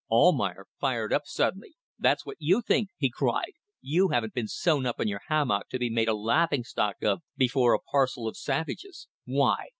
Almayer fired up suddenly. "That's what you think," he cried. "You haven't been sewn up in your hammock to be made a laughing stock of before a parcel of savages. Why!